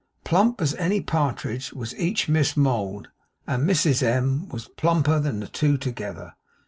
Plump as any partridge was each Miss Mould, and Mrs M. was plumper than the two together.